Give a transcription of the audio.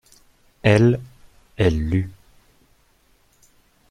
Elle, elle lut.